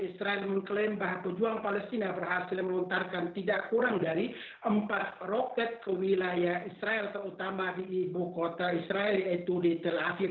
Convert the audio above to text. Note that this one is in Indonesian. israel mengklaim bahwa pejuang palestina berhasil melontarkan tidak kurang dari empat roket ke wilayah israel terutama di ibu kota israel yaitu di tel aviv